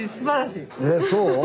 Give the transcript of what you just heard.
えっそう？